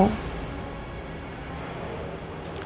kalau nindi cucunya masih hidup